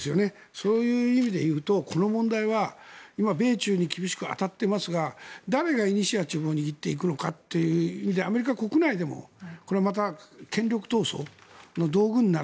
そういう意味でいうとこの問題は今、米中に厳しく当たっていますが誰がイニシアチブを握っていくのかという意味でアメリカ国内でも権力闘争の道具になる。